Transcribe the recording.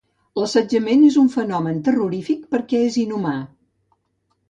L'assetjament és un fenomen terrorífic perquè és inhumà.